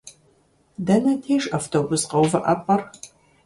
Дэнэ деж автобус къэувыӏэпӏэр?